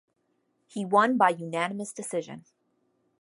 He won by unanimous decision.